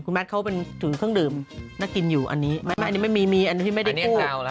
คุณแมทเขาถือเครื่องดื่มน่ากินอยู่อันนี้อันนี้ไม่มีอันนี้ไม่ได้คู่